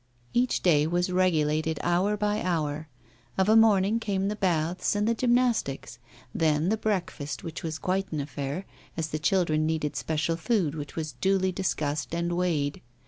Each day was regulated hour by hour. Of a morning came the baths and the gymnastics; then the breakfast, which was quite an affair, as the children needed special food, which was duly discussed and weighed.